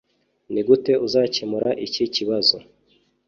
Nigute uzakemura iki kibazo